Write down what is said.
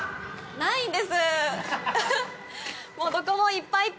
ないんです。